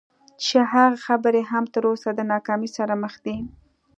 چې هغه خبرې هم تر اوسه د ناکامۍ سره مخامخ دي.